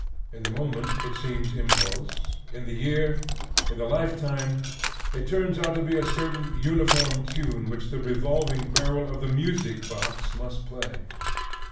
In the moment it seems impulse; in the year, in the lifetime, it turns out to be a certain uniform tune which the revolving barrel of the music box must play.